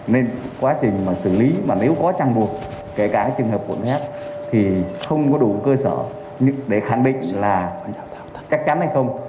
nên quá trình mà xử lý mà nếu có chằn buộc kể cả cái trường hợp cuộn thép thì không có đủ cơ sở để khẳng định là chắc chắn hay không